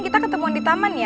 kita ketemu di taman